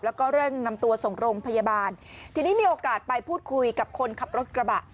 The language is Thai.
แล้วก็เร่งนำตัวส่งโรงพยาบาลทีนี้มีโอกาสไปพูดคุยกับคนขับรถกระบะ